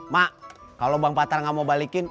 mak kalau bang patar gak mau balikin